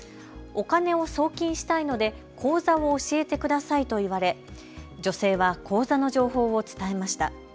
お金を送金したいので口座を教えてくださいと言われ女性は口座の情報を伝えました。